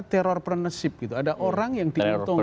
teror pernesip gitu ada orang yang diuntungkan